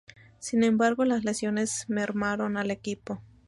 Sin embargo, las lesiones mermaron al equipo.